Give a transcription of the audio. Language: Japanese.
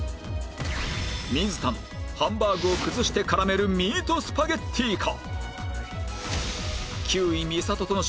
水田のハンバーグを崩して絡めるミートスパゲッティか